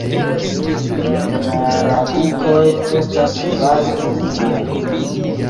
La radikoj estas baze inaj.